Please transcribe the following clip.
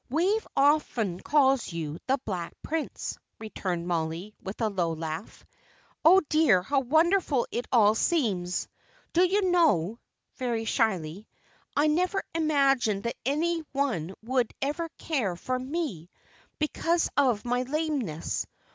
"Wave often calls you the Black Prince," returned Mollie, with a low laugh. "Oh, dear, how wonderful it all seems! Do you know" very shyly "I never imagined that any one would ever care for me, because of my lameness.